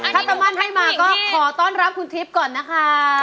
ถ้าตะมั่นให้มาก็ขอต้อนรับคุณทิพย์ก่อนนะคะ